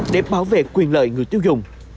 để bảo vệ quyền lợi người tiêu dùng